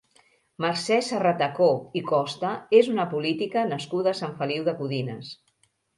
Mercè Serratacó i Costa és una política nascuda a Sant Feliu de Codines.